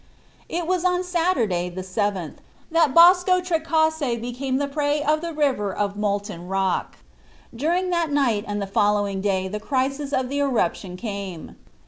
It was on Saturday, the 7th, that Bosco Trecase became the prey of the river of molten rock. During that night and the following day the crisis of the eruption came.